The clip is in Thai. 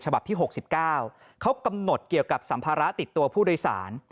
ที่๖๙เขากำหนดเกี่ยวกับสัมภาระติดตัวผู้โดยสาร